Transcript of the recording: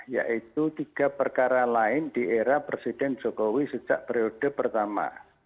yaitu tiga perkara lain di era presiden jokowi sejak periode pertama